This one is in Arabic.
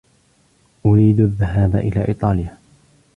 أريد الذهاب إلى إيطاليا.